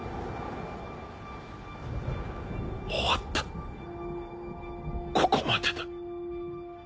「終わったここまでだ」。